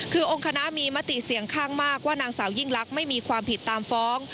คือองค์คณะมีมติเสี่ยงข้างมากว่านางสาวยิ่งลักษณ์ไม่มีความผิดตามฟ้อง